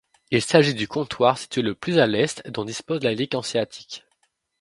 Il s'agit du comptoir situé le plus à l'est dont dispose la Ligue hanséatique.